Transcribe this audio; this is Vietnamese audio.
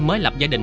mới lập gia đình